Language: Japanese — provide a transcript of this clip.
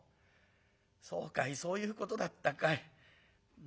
そうかいそういうことだったかい。